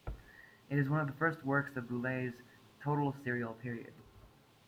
It is one of the first works of Boulez's total serial period.